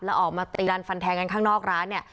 แล้วออกมาตีรันฟันแทงกันข้างนอกร้านเนี่ย